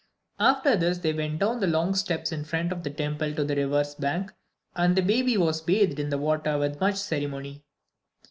After this they went down the long steps in front of the temple to the river's bank, and the baby was bathed in the water with much ceremony.